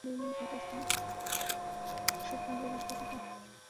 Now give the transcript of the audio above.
বর্ষায় যখন পানিতে পরিপূর্ণ হতে থাকে বিল, তখন এই রাস্তার সৌন্দর্য বাড়তে থাকে।